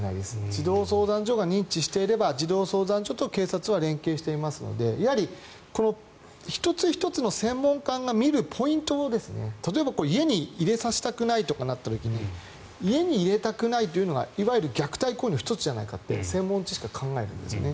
児童相談所が認知していれば児童相談所と警察は連携していますのでやはり１つ１つの専門官が見るポイントを例えば、家に入れさせたくないとなった時に家に入れたくないというのがいわゆる虐待行為の１つじゃないかと専門知識では考えるんですね。